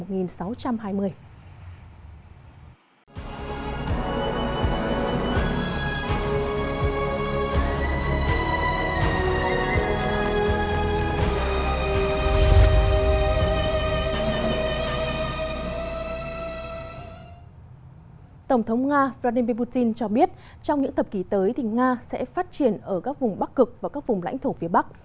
tổng thống nga vladimir putin cho biết trong những thập kỷ tới thì nga sẽ phát triển ở các vùng bắc cực và các vùng lãnh thổ phía bắc